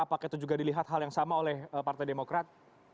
apakah itu juga dilihat hal yang sama oleh partai demokrat